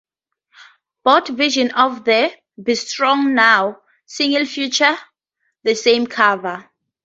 Both versions of the "Be Strong Now" single feature the same cover.